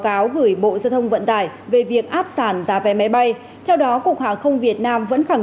gửi bộ gia thông vận tải về việc áp sàn giá vé máy bay theo đó cục hàng không việt nam vẫn khẳng